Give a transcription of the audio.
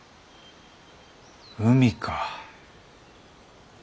海か。